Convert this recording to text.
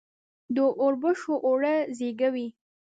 د اوربشو اوړه زیږه وي.